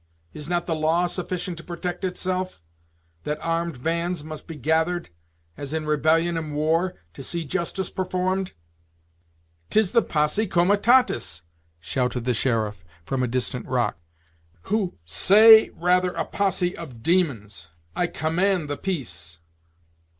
Is not the law sufficient to protect itself, that armed bands must be gathered, as in rebellion and war, to see justice performed?" "'Tis the posse comitatus," shouted the sheriff, from a distant rock, "who " "Say rather a posse of demons. I command the peace."